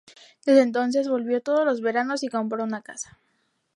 Desde entonces, volvió todos los veranos y compró una casa.